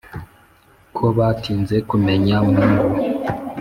ko batinze kumenya mungu